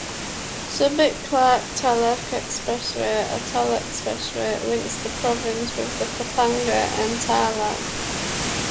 Subic-Clark-Tarlac Expressway, a toll expressway, links the province with the Pampanga and Tarlac.